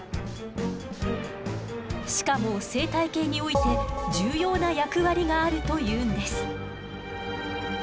しかも生態系において重要な役割があるというんです。